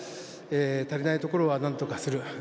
足りないところは何とかする。